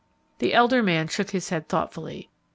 The elder man shook his head thoughtfully.